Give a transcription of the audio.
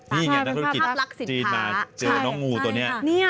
นี่ไงนักธุรกิจจีนมาเจอน้องงูตัวนี้